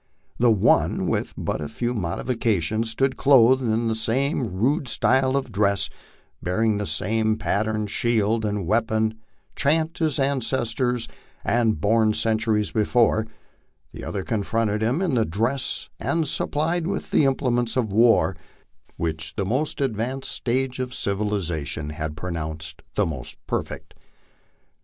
The one, with but few modifica tions, stood clothed in the same rude style of dress, bearing the same patterned shield and weapon chat his ancestors had borne centuries before ; the other confronted him in the dress and supplied with the implements of war which the most advanced stage of civilization had pronounced the most perfect.